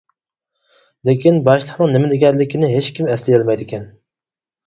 لېكىن، باشلىقنىڭ نېمە دېگەنلىكىنى ھېچكىم ئەسلىيەلمەيدىكەن.